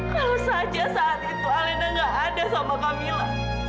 kalau saja saat itu alena nggak ada sama gamila